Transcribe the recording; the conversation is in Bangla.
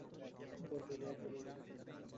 তার বাবা আব্দুল ওয়াদুদ বিমানবাহিনীর সদস্য ছিলেন।